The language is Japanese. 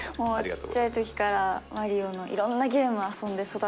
ちっちゃいときから『マリオ』のいろんなゲーム遊んで育ってきたので。